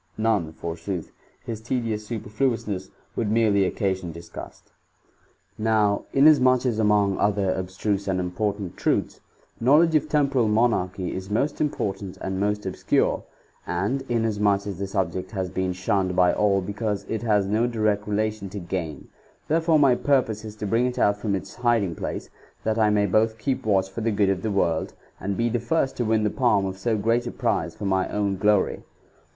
None, forsooth ; his tedious superfluousness would merely occa sion disgust. '' 2. Now, inasmuch as among other abstruse and important truths, knowledge of temporal Monarchy is most important and most obscure, and inasmuch as the subject has been shunned by all because it has no direct relation to gain, therefore my purpose is to bring it out from its hiding place, that I may both keep watch for the good of the world, and be the first to win the pidm of so great a prize for my own glory.'